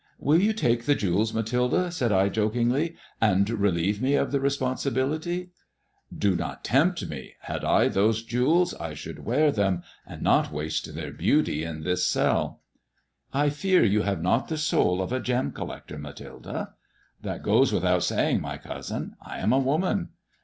" Will you take the jewels, Mathilde," said I jokingly, " and relieve me of the responsibility ?"" Do not tempt me. Had I those jewels, I should wear them, and not waste their beauty in this cell." "I fear you have not the soul of a gem collector, Mathilde." " That goes without saying, my cousin. I am a woman."